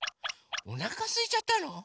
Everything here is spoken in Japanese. おなかすいちゃったの？